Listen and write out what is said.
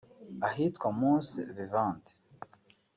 Ahitwa Musée Vivant